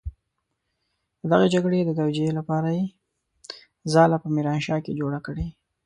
د دغې جګړې د توجيې لپاره يې ځاله په ميرانشاه کې جوړه کړې.